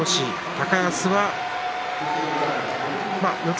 高安は四つ